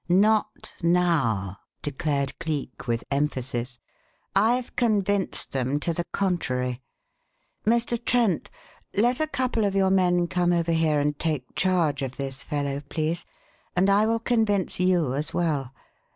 "Not now!" declared Cleek, with emphasis. "I've convinced them to the contrary. Mr. Trent, let a couple of your men come over here and take charge of this fellow, please, and I will convince you as well.